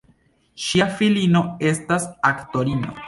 Ŝia filino estas aktorino.